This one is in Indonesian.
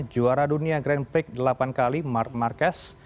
juara dunia grand prix delapan kali mark marquez